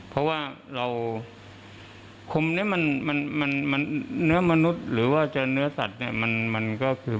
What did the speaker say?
เพราะว่าเราคมนี้มันเหนือมนุษน์หรือว่าจะคมมันต่างจากเนื้อสัตว์เนี่ย